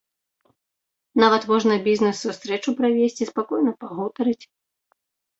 Нават можна бізнес-сустрэчу правесці, спакойна пагутарыць.